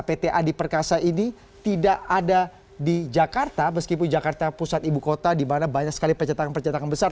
pt adi perkasa ini tidak ada di jakarta meskipun jakarta pusat ibu kota di mana banyak sekali pencetakan pencetakan besar